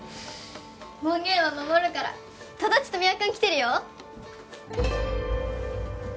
門限は守るからとどっちと三輪君来てるよ